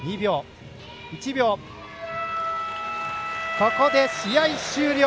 ここで試合終了。